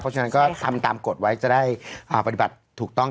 เพราะฉะนั้นก็ทำตามกฎไว้จะได้ปฏิบัติถูกต้อง